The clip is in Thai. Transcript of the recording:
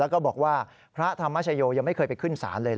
แล้วก็บอกว่าพระธรรมชโยยังไม่เคยไปขึ้นศาลเลย